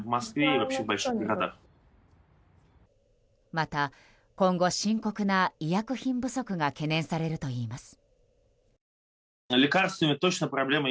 また今後、深刻な医薬品不足が懸念されるといいます。